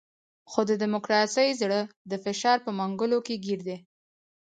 خو د ډیموکراسۍ زړه د فساد په منګولو کې ګیر دی.